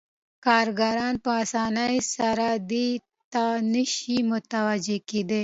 کارګران په اسانۍ سره دې ته نشي متوجه کېدای